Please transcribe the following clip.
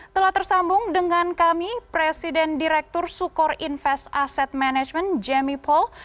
telah tersambung dengan kami presiden direktur sukor invest asset management jamie paul